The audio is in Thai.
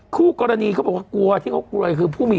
คู่กรณีเขาบอกว่ากลัวที่เขากลัวคือผู้มี